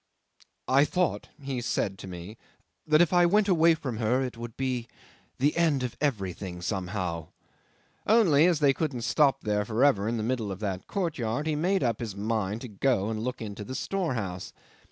"I thought," he said to me, "that if I went away from her it would be the end of everything somehow." Only as they couldn't stop there for ever in the middle of that courtyard, he made up his mind to go and look into the storehouse.